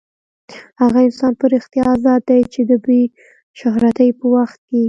هغه انسان په رښتیا ازاد دی چې د بې شهرتۍ په وخت کې.